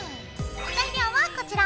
材料はこちら。